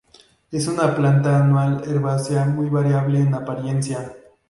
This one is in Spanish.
Es una planta anual herbácea muy variable en apariencia.